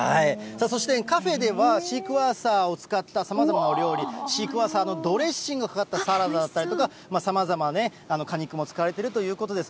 そしてカフェでは、シークワーサーを使ったさまざまなお料理、シークワーサーのドレッシングがかかったサラダだったりとか、さまざまね、果肉も使われているということです。